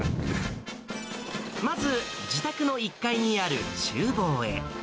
まず、自宅の１階にあるちゅう房へ。